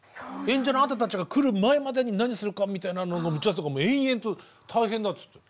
演者のあなたたちが来る前までに何するかみたいなのの打ち合わせとかも延々と大変だって。